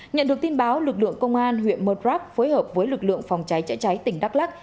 nhận được tin báo lực lượng công an huyện murdrock phối hợp với lực lượng phòng cháy chữa cháy tỉnh đắk lắc